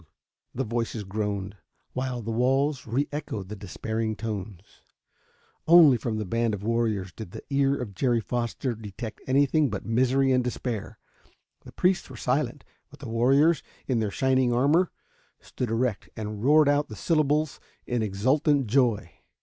_" the voices groaned, while the walls re echoed the despairing tones. Only from the band of warriors did the ear of Jerry Foster detect anything but misery and despair. The priests were silent, but the warriors, in their shining armor, stood erect and roared out the syllables in exultant joy.